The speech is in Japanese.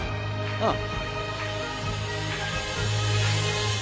ああ